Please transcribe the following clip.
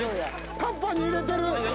タッパーに入れてる！